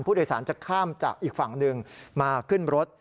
ผู้โดยสารจะข้ามจากอีกฝั่งหนึ่งมาขึ้นรถ